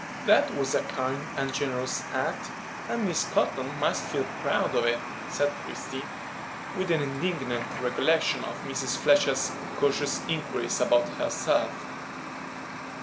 "That was a kind and generous act, and Miss Cotton must feel proud of it," said Christie, with an indignant recollection of Mr. Fletcher's "cautious inquiries" about herself.